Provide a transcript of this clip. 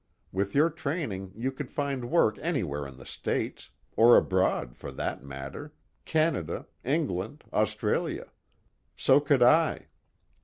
With your training you could find work anywhere in the States or abroad for that matter, Canada, England, Australia. So could I.